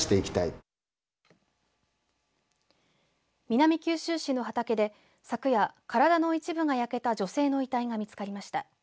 南九州市の畑で昨夜体の一部が焼けた女性の遺体が見つかりました。